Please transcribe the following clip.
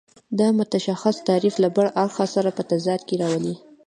دا متشخص تعریف له بل اړخ سره په تضاد کې راولي.